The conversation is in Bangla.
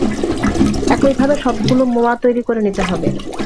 একইভাবে সবগুলো মোয়া তৈরি করে নিতে হবে।